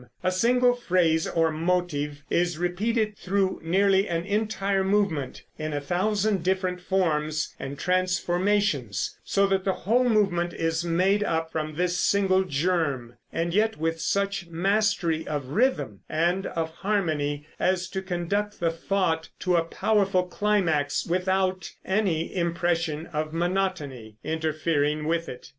A single phrase or motive is repeated through nearly an entire movement, in a thousand different forms and transformations, so that the whole movement is made up from this single germ; and yet with such mastery of rhythm and of harmony as to conduct the thought to a powerful climax, without any impression of monotony interfering with it.